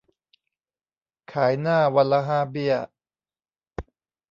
ขายหน้าวันละห้าเบี้ย